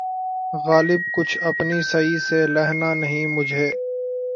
غالبؔ! کچھ اپنی سعی سے لہنا نہیں مجھے